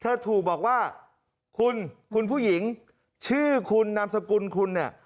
เธอถูกบอกว่าคุณคุณผู้หญิงชื่อคุณนามสกุลคุณเนี่ย